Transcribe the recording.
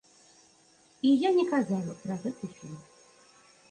І я не казала пра гэты фільм.